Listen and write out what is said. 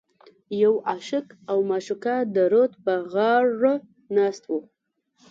یو عاشق او معشوقه د رود په غاړه ناست و.